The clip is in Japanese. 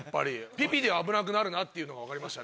ピピで危なくなるなっていうのが分かりましたね。